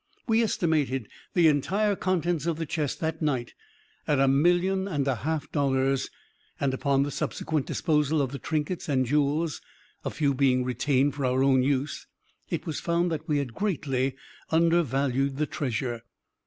We estimated the entire contents of the chest, that night, at a million and a half of dollars; and upon the subsequent disposal of the trinkets and jewels (a few being retained for our own use), it was found that we had greatly undervalued the treasure.